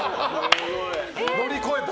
乗り越えた。